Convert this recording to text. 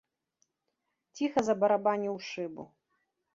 Ціха забарабаніў у шыбу.